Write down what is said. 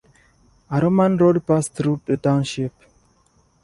A Roman road passed through the township.